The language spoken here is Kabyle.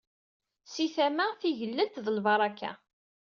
Si tama, tigellelt d lbaraka.